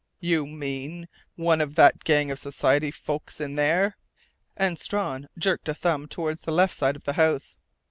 "You mean one of that gang of society folks in there?" and Strawn jerked a thumb toward the left side of the house.